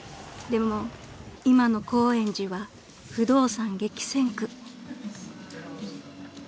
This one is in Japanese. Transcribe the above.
［でも今の高円寺は不動産激戦区］